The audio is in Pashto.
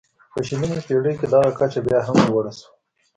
په شلمې پېړۍ کې دغه کچه بیا هم لوړه شوه.